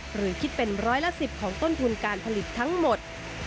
หรือคิดเป็นร้อยละ๑๐ของต้นทุนการผลิตทั้งหมด